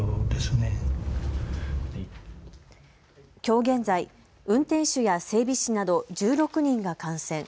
きょう現在、運転手や整備士など１６人が感染。